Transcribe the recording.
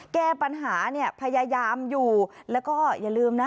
แก้ปัญหาเนี่ยพยายามอยู่แล้วก็อย่าลืมนะ